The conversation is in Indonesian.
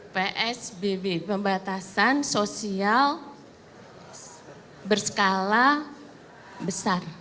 psbb pembatasan sosial berskala besar